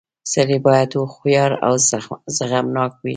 • سړی باید هوښیار او زغمناک وي.